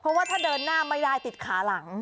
เพราะว่าถ้าเดินหน้าไม่ได้ติดขาหลัง